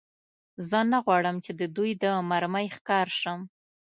زه نه غواړم، چې د دوی د مرمۍ ښکار شم.